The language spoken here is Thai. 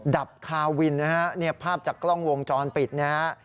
ดับทาวินนะครับภาพจากกล้องวงจรปิดนะครับ